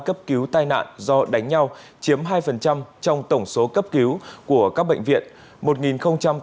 cấp cứu tai nạn do đánh nhau chiếm hai trong tổng số cấp cứu của các bệnh viện